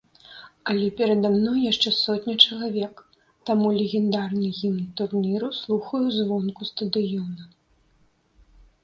Але перада мной яшчэ сотня чалавек, таму легендарны гімн турніру слухаю звонку стадыёна.